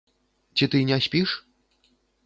Ці ты не спіш?